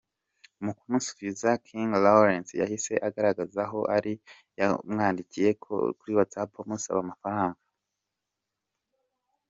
Mu kumusubiza, King Lawrence yahise agaragaza aho Zari yamwandikiye kuri Whatsapp amusaba amafaranga.